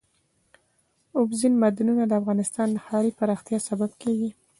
اوبزین معدنونه د افغانستان د ښاري پراختیا سبب کېږي.